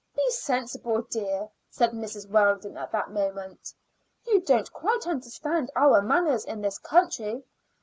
"Be sensible, dear," said Mrs. Weldon at that moment. "You don't quite understand our manners in this country.